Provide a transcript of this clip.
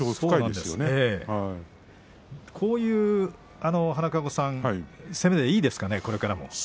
花籠さん、こういう攻めでいいですか、これからも。